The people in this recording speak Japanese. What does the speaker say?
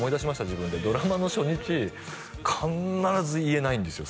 自分でドラマの初日必ず言えないんですよ